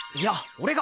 俺が！